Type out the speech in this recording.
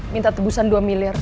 minta tebusan dua miliar